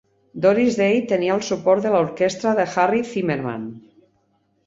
Doris Day tenia el suport de l'orquestra de Harry Zimmerman.